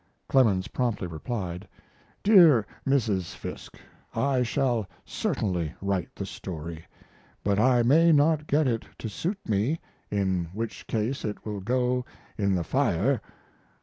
Clemens promptly replied: DEAR MRS. FISKE, I shall certainly write the story. But I may not get it to suit me, in which case it will go in the fire.